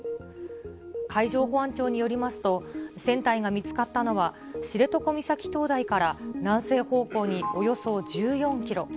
海上保安庁によりますと、船体が見つかったのは、知床岬灯台から南西方向におよそ１４キロ。